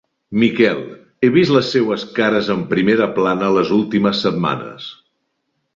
Miquel, he vist les seues cares en primera plana les últimes setmanes.